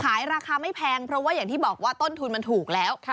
ราคาไม่แพงเพราะว่าอย่างที่บอกว่าต้นทุนมันถูกแล้ว